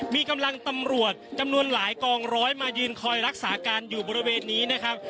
มีกำลังตำรวจจำนวนหลายกองร้อยมายืนคอยรักษาการอยู่บริเวณนี้นะครับ